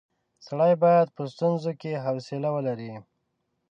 سړی باید په ستونزو کې حوصله ولري.